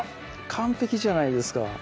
完璧じゃないですか